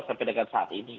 sampai dengan saat ini